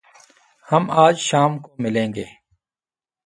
ہم آج شام کو ملیں گے